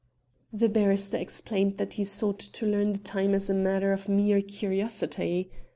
The barrister explained that he sought to learn the time as a matter of mere curiosity.